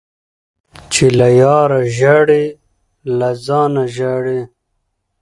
- چي له یاره ژاړي له ځانه ژاړي.